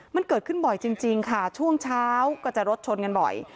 มันเกิดขึ้นบ่อยจริงค่ะช่วงเช้าก็จะรถชนกันบ่อย